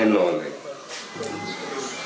พี่น้องของผู้เสียหายแล้วเสร็จแล้วมีการของผู้น้องเข้าไป